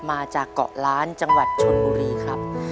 มาจากเกาะล้านจังหวัดชนบุรีครับ